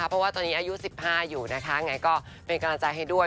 เพราะว่าตอนนี้อายุ๑๕อยู่นะคะไงก็เป็นกำลังใจให้ด้วย